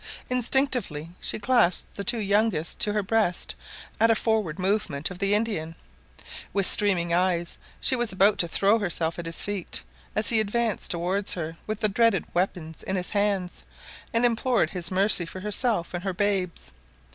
Instinctively she clasped the two youngest to her breast at a forward movement of the Indian. With streaming eyes she was about to throw herself at his feet, as he advanced towards her with the dreaded weapons in his hands, and implore his mercy for herself and her babes.